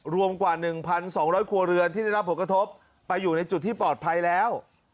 รวมกว่า๑๒๐๐ครัวเรือนที่ได้รับผลกระทบไปอยู่ในจุดที่ปลอดภัยแล้ว